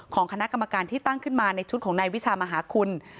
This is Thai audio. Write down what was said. ของคณะกรรมการที่ตั้งขึ้นมาในชุดของนายวิชามหาคุณ